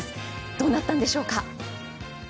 どうなったんでしょうか？